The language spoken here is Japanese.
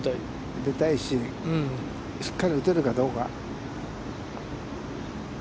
入れたいし、しっかり打てるかどうか。